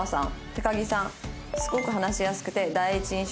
高木さん。